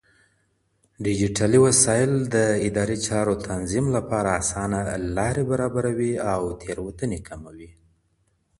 ډيجيټلي وسايل د اداري چارو تنظيم لپاره اسانه لارې برابروي او تېروتنې کموي.